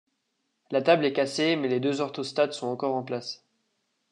La table est cassée mais les deux orthostates sont encore en place.